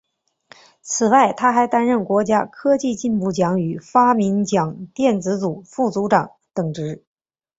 此外他还担任国家科技进步奖与发明奖电子组副组长等职。